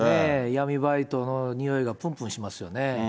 闇バイトのにおいがぷんぷんしますよね。